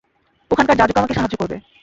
ওখানকার যাজক আমাকে সাহায্য করবে।